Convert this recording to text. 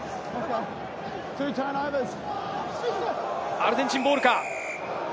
アルゼンチンボールか？